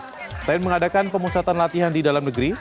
selain mengadakan pemusatan latihan di dalam negeri